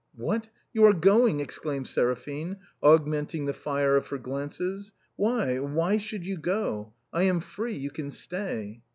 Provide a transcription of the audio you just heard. " What ! you are going ?" exclaimed Seraphine, aug menting the fire of her glances. " Why, why should you go? I am free, you can stay."